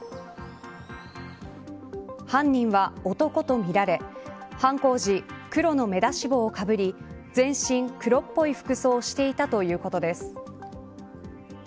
犯人は男とみられ犯行時、黒の目出し帽をかぶり全身黒っぽい服装をしていたということです。